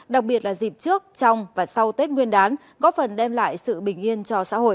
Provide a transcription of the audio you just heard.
đặc biệt là dịp trước trong và sau tết nguyên đán góp phần đem lại sự bình yên cho xã hội